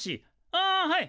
あはい。